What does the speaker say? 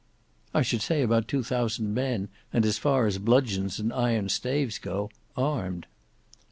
"I should say about two thousand men, and as far as bludgeons and iron staves go, armed."